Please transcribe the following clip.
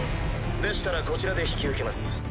でしたらこちらで引き受けます。